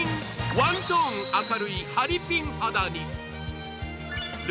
ワントーン明るい、ハリピン肌に。